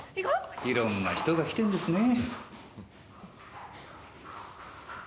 いろんな人が来てんですね。